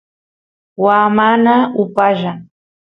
waa mana upallan